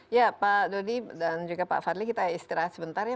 ya pak dodi dan juga pak fadli kita istirahat sebentar ya